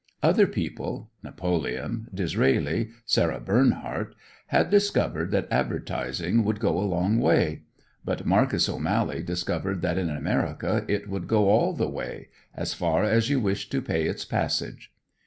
Other people Napoleon, Disraeli, Sarah Bernhardt had discovered that advertising would go a long way; but Marcus O'Mally discovered that in America it would go all the way as far as you wished to pay its passage.